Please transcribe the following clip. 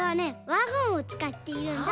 ワゴンをつかっているんだ。